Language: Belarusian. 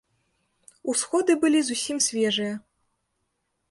Усходы былі зусім свежыя.